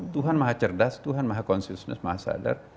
tuhan maha cerdas tuhan maha konstitusi maha sadar